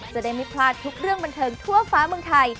จะได้ไม่พลาดทุกเรื่องบันเทิงทั่วฟ้าเมืองไทย